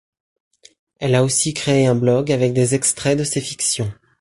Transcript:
Elle a aussi créé un blog avec des extraits de ses fictions.